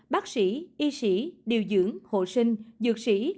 bác sĩ y sĩ điều dưỡng hộ sinh dược sĩ